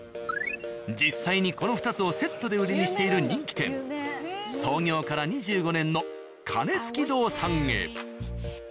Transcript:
実際にこの２つをセットで売りにしている人気店創業から２５年の「かねつき堂」さんへ。